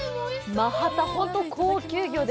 マハタ、本当に高級魚で。